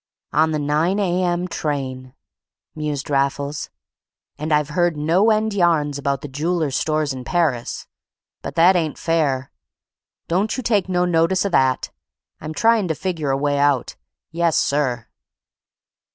"On the 9 A. M. train," mused Raffles; "and I've heard no end yarns about the joolers' stores in Parrus. But that ain't fair; don't you take no notice o' that. I'm tryin' to figure a way out. Yes, _sir!